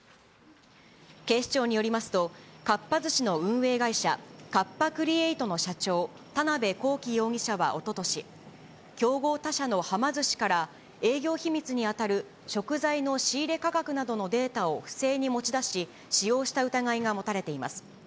警視庁によりますと、かっぱ寿司の運営会社、カッパ・クリエイトの社長、田辺公己容疑者はおととし、競合他社のはま寿司から営業秘密に当たる食材の仕入れ価格などのデータを不正に持ち出し、使用した疑いが持たれています。